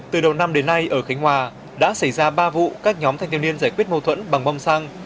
từ đầu năm đến nay ở khánh hòa đã xảy ra ba vụ các nhóm thanh thiếu niên giải quyết mâu thuẫn bằng xăng